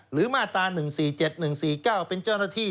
มาตรา๑๔๗๑๔๙เป็นเจ้าหน้าที่